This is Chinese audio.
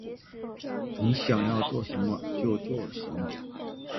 你想要做什么？就做什么